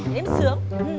để em sướng